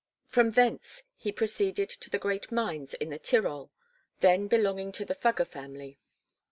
From thence he proceeded to the great mines in the Tyrol, then belonging to the Fugger family.